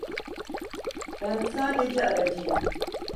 Ben sadece aracıyım.